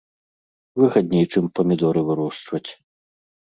Выгадней, чым памідоры вырошчваць.